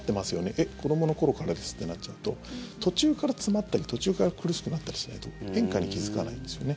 えっ、子どもの頃からですとなっちゃうと途中から詰まったり途中から苦しくなったりしないと変化に気付かないんですよね。